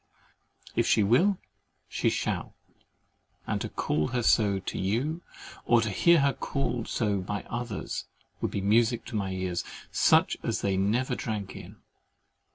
If she WILL, she SHALL; and to call her so to you, or to hear her called so by others, would be music to my ears, such as they never drank in.